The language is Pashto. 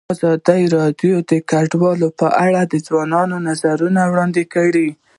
ازادي راډیو د کډوال په اړه د ځوانانو نظریات وړاندې کړي.